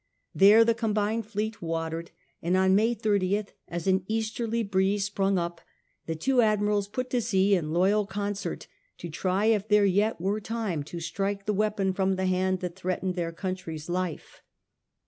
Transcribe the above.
There the combined fleet watered, and on May 30th, as an easterly breeze sprang up, the two Admirals put to sea in loyal concert, to try if there yet were time to strike the weapon from the hand that threatened their country's life.